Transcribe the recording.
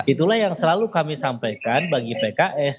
itulah yang selalu kami sampaikan bagi pks